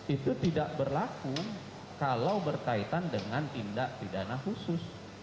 itu tidak berlaku kalau berkaitan dengan tindak pidana khusus